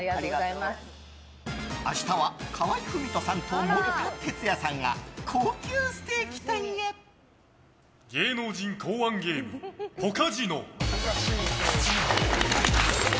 明日は河合郁人さんと森田哲矢さんが芸能人考案ゲームポカジノ！